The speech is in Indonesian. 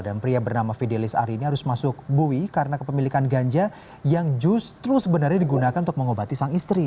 dan pria bernama fidelis hari ini harus masuk buwi karena kepemilikan ganja yang justru sebenarnya digunakan untuk mengobati sang istri